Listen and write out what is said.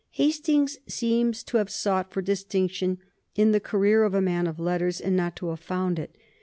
Hastings seems to have sought for distinction in the career of a man of letters and not to have found it.